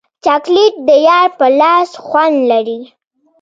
چاکلېټ د یار په لاس خوند لري.